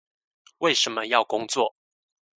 為什麼要工作？